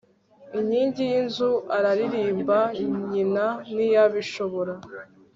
inkingi y'inzu araririmba, ''. nyina ntiyabishobora